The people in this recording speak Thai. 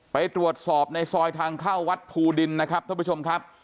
ไปตรวจสอบในซอยทางเข้าวัดภูดินนะครับท่านผู้ชมครับ